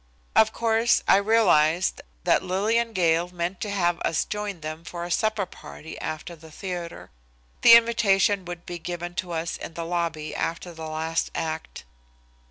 Of course, I realized that Lillian Gale meant to have us join them for a supper party after the theatre. The invitation would be given to us in the lobby after the last act.